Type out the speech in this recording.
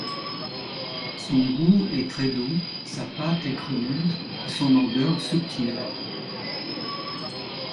Son goût est très doux, sa pâte est crémeuse et son odeur subtile.